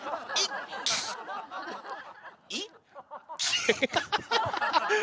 アハハハ！